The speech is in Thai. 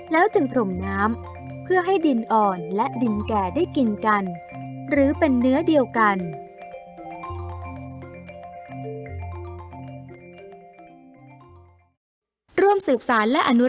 แล้วจึงพรมน้ำเพื่อให้ดินอ่อนและดินแก่ได้กินกันหรือเป็นเนื้อเดียวกัน